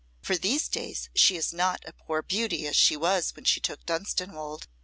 For these days she is not a poor beauty as she was when she took Dunstanwolde."